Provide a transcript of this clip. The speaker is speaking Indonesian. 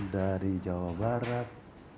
dari jawa barat